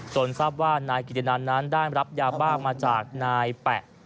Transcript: ทราบว่านายกิตินันนั้นได้รับยาบ้ามาจากนายแปะ